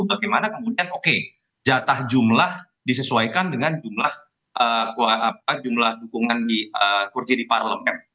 bagaimana kemudian oke jatah jumlah disesuaikan dengan jumlah dukungan kursi di parlemen